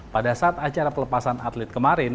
pada saat acara pelepasan atlet kemarin